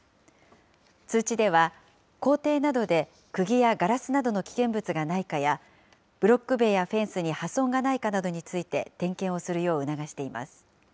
通知では、校庭などでくぎやガラスなどの危険物がないかや、ブロック塀やフェンスに破損がないかなどについて、点検をするよう促しています。